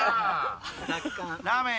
ラーメン